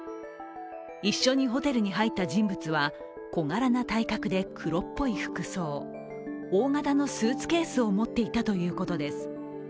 一緒にホテルに入った人物は小柄な体格で黒っぽい服装、大型のスーツケースを持っていたということです。